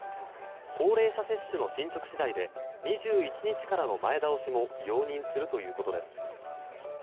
高齢者接種の進捗次第で２１日からの前倒しも容認するということです。